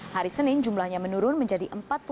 hari senin jumlahnya menurun menjadi empat puluh lima